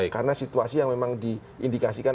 karena situasi yang memang diindikasikan